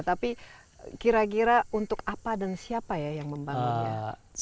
tapi kira kira untuk apa dan siapa ya yang membangunnya